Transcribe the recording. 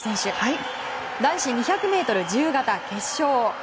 男子２００ｍ自由形決勝。